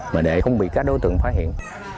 mà để không bị các đối tượng phá hiện